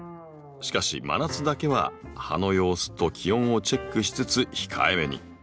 しかし真夏だけは葉の様子と気温をチェックしつつ控えめに。